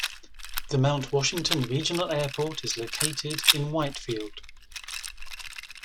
The Mount Washington Regional Airport is located in Whitefield.